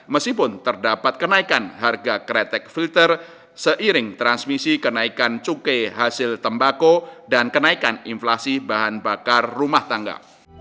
meskipun terdapat kenaikan harga kretek filter seiring transmisi kenaikan cukai hasil tembako dan kenaikan inflasi bahan bakar rumah tangga